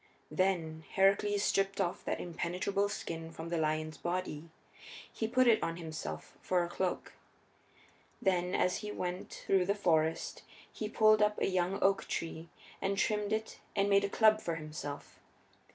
Then Heracles stripped off that impenetrable skin from the lion's body; he put it upon himself for a cloak. Then, as he went through the forest, he pulled up a young oak tree and trimmed it and made a club for himself.